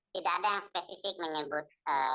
tidak ada yang spesifik menyebut